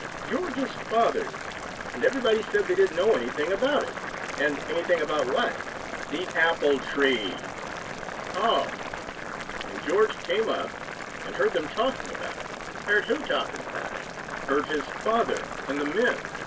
"George's father's. And everybody said they didn't know anything about it, and " "Anything about what?" "The apple tree." "Oh!" " and George came up and heard them talking about it " "Heard who talking about it?" "Heard his father and the men."